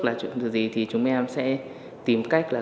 là chuyện gì thì chúng em sẽ tìm cách